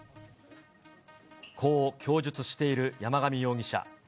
こう供述している山上容疑者。